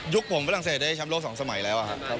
ยุคผมฝรั่งเศสได้ชำโล่๒สมัยแล้วอ่ะครับ